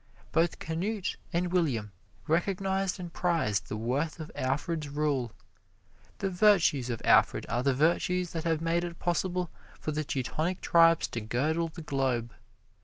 Both Canute and William recognized and prized the worth of Alfred's rule. The virtues of Alfred are the virtues that have made it possible for the Teutonic tribes to girdle the globe.